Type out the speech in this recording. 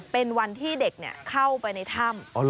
เป็นวันที่เด็กเข้าไปในถ้ำ